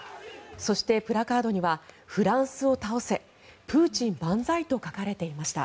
そして、プラカードにはフランスを倒せプーチン万歳と書かれていました。